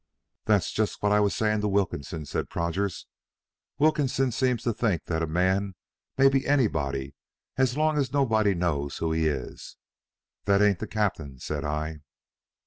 "That's just what I was saying to Wilkinson," said Prodgers. "Wilkinson seems to think that a man may be anybody as long as nobody knows who he is. 'That ain't the captain,' said I."